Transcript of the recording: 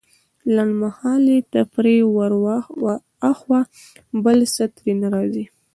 لنډمهالې تفريح وراخوا بل څه ترې نه راځي.